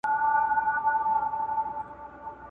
په قرينه باندي عمل کول جائز دي.